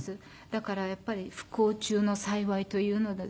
だからやっぱり不幸中の幸いというのですかね。